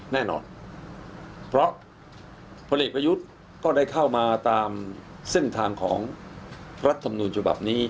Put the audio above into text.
แน่นอนเพราะพหลีคพยุทธก็ได้เข้ามาตามเส้นทางของรัฐธรรมนุนสนุนจบับนี้